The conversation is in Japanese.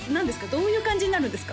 どういう感じになるんですか？